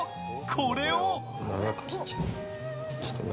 これを。